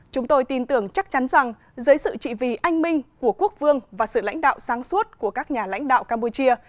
chúng tôi tin tưởng chắc chắn rằng dưới sự trị vì anh minh của quốc vương và sự lãnh đạo sáng suốt của các nhà lãnh đạo campuchia